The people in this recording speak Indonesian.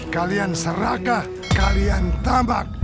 kalian serakah kalian tambak